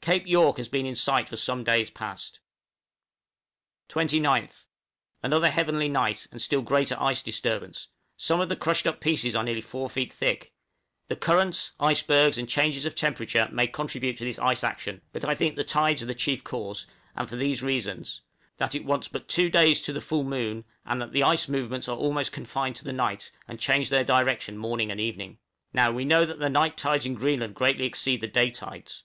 Cape York has been in sight for some days past. 29th. Another heavenly night, and still greater ice disturbance; some of the crushed up pieces are nearly four feet thick. The currents, icebergs, and changes of temperature, may contribute to this ice action; but I think the tides are the chief cause, and for these reasons: that it wants but two days to the full moon, and that the ice movements are almost confined to the night, and change their direction morning and evening. Now we know that the night tides in Greenland greatly exceed the day tides.